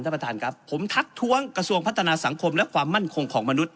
ประธานครับผมทักท้วงกระทรวงพัฒนาสังคมและความมั่นคงของมนุษย